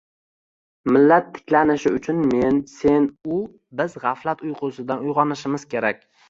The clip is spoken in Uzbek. Millat tiklanishi uchun men, sen, u – biz g‘aflat uyqusidan uyg‘onishimiz kerak.